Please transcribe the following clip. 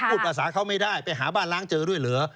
พูดภาษาเขาไม่ได้ไปหาบ้านล้างเจอด้วยเหรอ